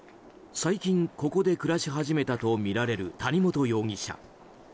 最近ここで暮らし始めたとみられる谷本容疑者。